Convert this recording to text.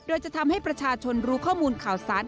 โดยจะทำให้ประชาชนรู้ข้อมูลข่าวสาร